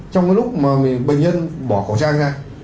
trong lúc mà bệnh nhân bỏ khẩu trang ra